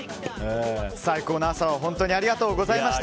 最高の朝を本当にありがとうございました。